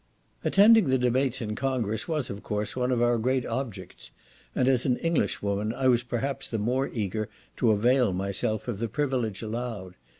Attending the debates in Congress was, of course, one of our great objects; and, as an English woman, I was perhaps the more eager to avail myself of the privilege allowed.